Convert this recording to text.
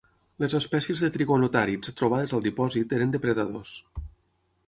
Les espècies de trigonotàrids trobades al dipòsit eren depredadors.